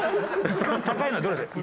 一番高いのどれですか？